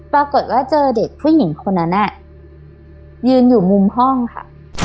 ปรากฏว่าเจอเด็กผู้หญิงคนนั้นยืนอยู่มุมห้องค่ะ